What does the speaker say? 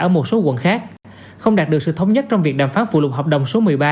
ở một số quận khác không đạt được sự thống nhất trong việc đàm phán phụ lục hợp đồng số một mươi ba